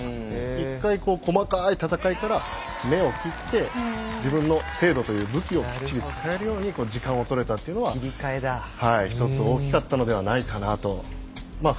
１回細かい戦いから目を切って自分の精度という武器をきちんと使えるように時間をとるというのは一つ大きかったのではないかと思います。